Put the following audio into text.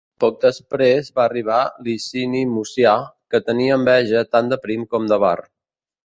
Poc després va arribar Licini Mucià, que tenia enveja tant de Prim com de Var.